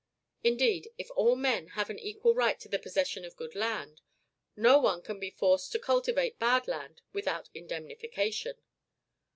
Indeed, if all men have an equal right to the possession of good land, no one can be forced to cultivate bad land without indemnification.